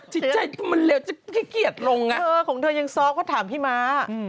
ชิบใจที่มันเหลวน์แค่เขียจลงน่ะของเธอยังซ่อมากว่าก็ถามพี่ม้า